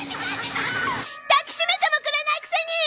抱きしめてもくれないくせに！